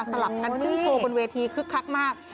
ลับกันขึ้นโชว์บนเวทีคึกคักมาก